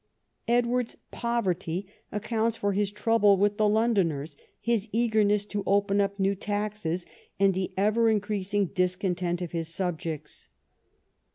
Edward's poverty accounts for his troubles with the Londoners, his eagerness to open up new taxes, and the ever increasing discontent of his subjects.